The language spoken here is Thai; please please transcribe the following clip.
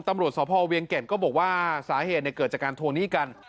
ตำรวจสพเวียงแก่นก็บอกว่าสาเหตุเกิดจากการทวงหนี้กัน